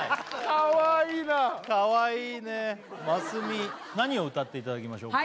かわいいなかわいいねますみ何を歌っていただきましょうか？